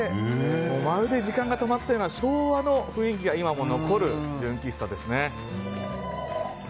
まるで時間が止まったような昭和の雰囲気が今も残る純喫茶ですね。